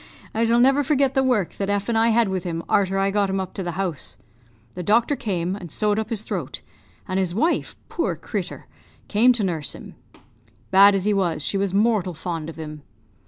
I shall never forget the work that F and I had with him arter I got him up to the house. "The doctor came, and sewed up his throat; and his wife poor crittur! came to nurse him. Bad as he was, she was mortal fond of him!